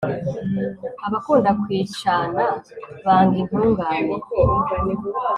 abakunda kwicana banga intungane